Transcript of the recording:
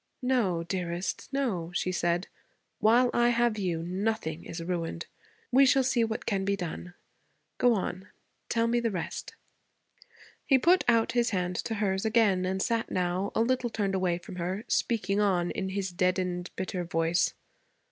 'No, dearest, no,' she said. 'While I have you, nothing is ruined. We shall see what can be done. Go on. Tell me the rest.' He put out his hand to hers again and sat now a little turned away from her, speaking on in his deadened, bitter voice.